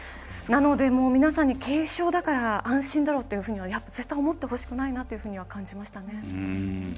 なので、皆さんに軽症だから安心だろうっていうふうには絶対に思ってほしくないなというふうには感じましたね。